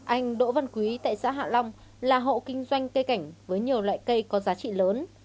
anh đỗ văn quý tại xã hạ long là hộ kinh doanh cây cảnh với nhiều loại cây có giá trị lớn